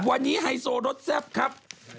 วันนี้ไฮโซรสแซ่บครับ